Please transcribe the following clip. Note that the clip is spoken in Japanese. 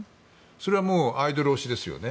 それはもうアイドル推しですよね。